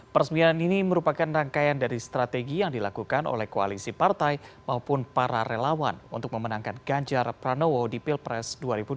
peresmian ini merupakan rangkaian dari strategi yang dilakukan oleh koalisi partai maupun para relawan untuk memenangkan ganjar pranowo di pilpres dua ribu dua puluh